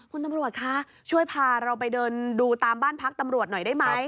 คุณตำรวจคะช่วยพาเราไปเดินดูตามบ้านพักตำรวจหน่อยได้ไหม